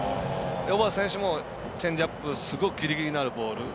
小幡選手もチェンジアップすごくギリギリのボール。